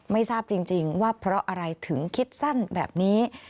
ไม่ทราบจริงว่าเพราะอะไรถึงคิดสั้นแบบนี้